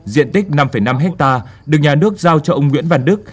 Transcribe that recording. diện tích năm năm hectare được nhà nước giao cho ông nguyễn văn đức